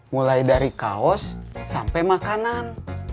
mulai dari kaos sampai makanan